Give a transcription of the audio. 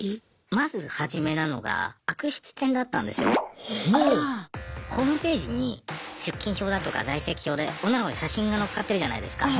まず初めなのがホームページに出勤表だとか在籍表で女の子の写真が載っかってるじゃないですか。